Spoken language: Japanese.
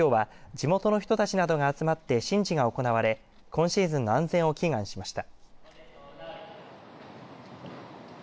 地元の人たちなどが集まって神事が行われ、今シーズンの安全を祈願しました。